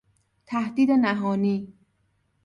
تهدید نهانی